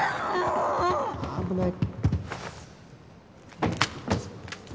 危ない。